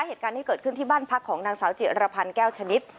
เหตุการณ์ที่เกิดขึ้นที่บ้านพักของนางสาวจิรพันธ์แก้วชนิด